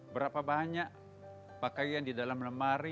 berapa banyak pakaian di dalam lemari